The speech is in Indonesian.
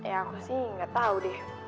ya aku sih gak tau deh